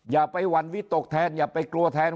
อย่าไปหวั่นวิตกแทนอย่าไปกลัวแทน